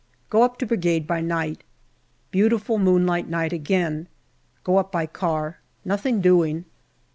Go up to Brigade by night. Beautiful moonlight night again. Go up by car. Nothing doing.